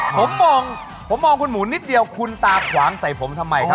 ผมมองผมมองคุณหมูนิดเดียวคุณตาขวางใส่ผมทำไมครับ